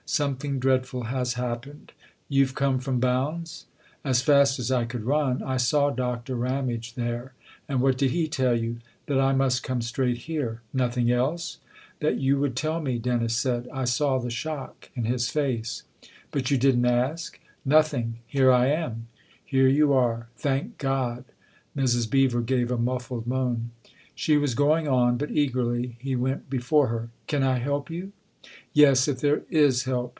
" Something dreadful has happened. You've come from Bounds ?"" As fast as I could run. I saw Doctor Ramage there." " And what did he tell you ?"" That I must come straight here." " Nothing else ?" "That you would tell me," Dennis said. " I saw the shock in his face." 262 THE OTHER HOUSE " But you didn't ask ?" "Nothing. Here I am," " Here you are, thank God !" Mrs. Beever gave a muffled moan. She was going on, but, eagerly, he went before her. " Can I help you ?"" Yes if there is help.